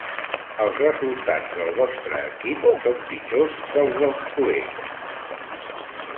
Els resultats del vostre equip són pitjors que els dels culers.